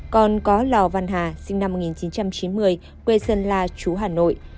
còn có lò văn hà sinh năm một nghìn chín trăm chín mươi quê dân là chú hà nội